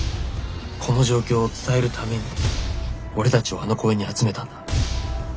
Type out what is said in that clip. この状況を伝えるために俺たちをあの公園に集めたんだ。